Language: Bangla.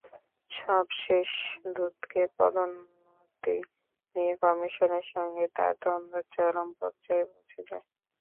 সবশেষ দুদকে পদোন্নতি নিয়ে কমিশনের সঙ্গে তাঁর দ্বন্দ্ব চরম পর্যায়ে পৌঁছে যায়।